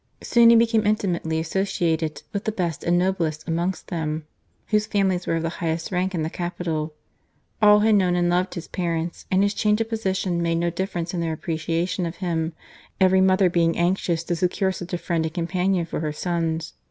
Soon he became intimately associated with the best and noblest amongst them, whose families were of 'the highest rank in the •capital. All had known and loved his parents, and his change of position made no difference in their appreciation of him, every mother being anxious to secure such a friend and companion for her sons.